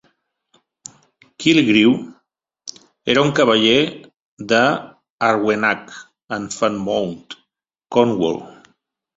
Killigrew era un cavaller de Arwenack en Falmouth, Cornwall.